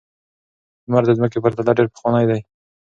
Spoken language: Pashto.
لمر د ځمکې په پرتله ډېر پخوانی دی.